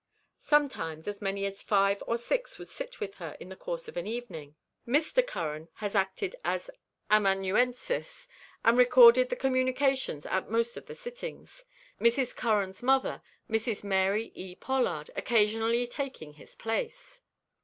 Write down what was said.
Sometimes as many as five or six would sit with her in the course of an evening. Mr. Curran has acted as amanuensis, and recorded the communications at most of the sittings, Mrs. Curran's mother, Mrs. Mary E. Pollard, occasionally taking his place.